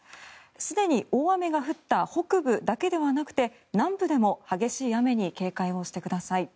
すでに大雨が降った北部だけではなくて南部でも激しい雨に警戒をしてください。